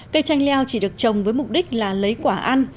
cây chanh leo chỉ được trồng với mục đích là lấy quả ăn